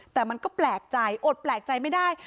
แต่มันก็แปลกใจอดแปลกใจไม่ได้